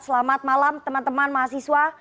selamat malam teman teman mahasiswa